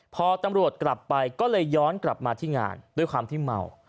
พอตำรวจกลับไปก็เลยย้อนกลับมาที่งานด้วยความที่เมา